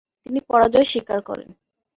তিনি পরাজয় স্বীকার করেন।